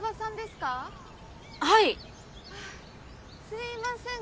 すいません。